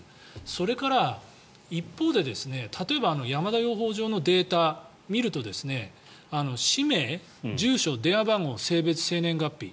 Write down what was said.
それから、一方で例えば山田養蜂場のデータを見ると氏名、住所、電話番号性別、生年月日。